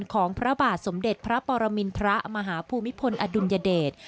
ของพระบาทสมเด็จพระปรมินทรมาหาภูมิพลอดุลยเดช